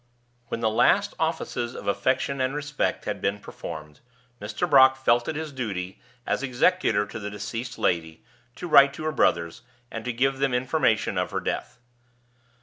When the last offices of affection and respect had been performed, Mr. Brock felt it his duty, as executor to the deceased lady, to write to her brothers, and to give them information of her death.